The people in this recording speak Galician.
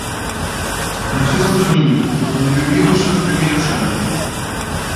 Naceu en Tomiño, onde viviu os seus primeiros anos.